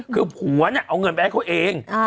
คือผัวเนี่ยเอาเงินไปให้เขาเอง